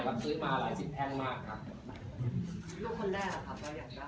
ก็ซื้อมาหลายสิบแพงมากครับ